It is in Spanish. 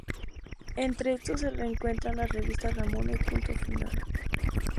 Entre estos se encuentran: las revistas "Ramona" y "Punto Final".